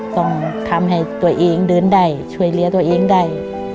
ต้องทำให้ตัวเองเดินได้ช่วยเหลือตัวเองได้